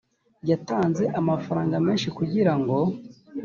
yatanze amafaranga menshi kugira ngo